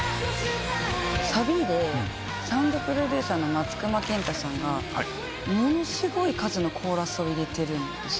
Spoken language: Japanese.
サビでサウンドプロデューサーの松隈ケンタさんがものすごい数のコーラスを入れてるんです。